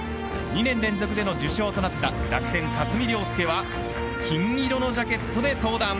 ２年連続での受賞となった楽天、辰己涼介は金色のジャケットで登壇。